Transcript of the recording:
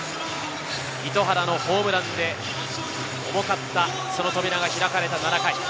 糸原のホームランで重かったその扉が開かれた７回。